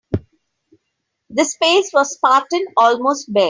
The space was spartan, almost bare.